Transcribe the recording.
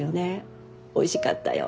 「おいしかったよ」